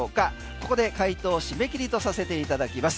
ここで回答を締め切りとさせていただきます。